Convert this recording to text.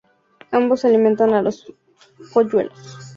Ambos alimentan a los polluelos.